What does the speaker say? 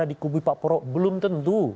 ada dikubu pak pro belum tentu